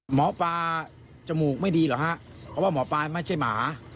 หมอปลาจมูกไม่ดีเหรอฮะเพราะว่าหมอปลาไม่ใช่หมา